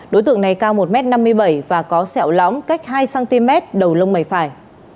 đối tượng này cao một m năm mươi bảy và có sẹo lóng cách hai cm đầu lông mày phải